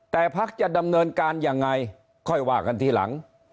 แต่พักจะดำเนินการยังไงค่อยว่ากันทีหลัง